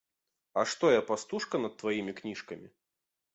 А што я, пастушка над тваімі кніжкамі?